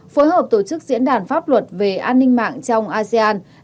phối hợp tổ chức diễn đàn pháp luật về an ninh mạng trong asean